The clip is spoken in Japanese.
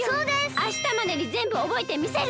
あしたまでにぜんぶおぼえてみせる！